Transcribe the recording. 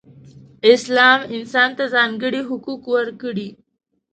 اسلام انسان ته ځانګړې حقوق ورکړئ.